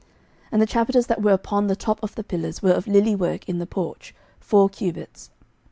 11:007:019 And the chapiters that were upon the top of the pillars were of lily work in the porch, four cubits.